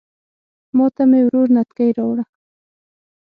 ماته مې ورور نتکۍ راوړه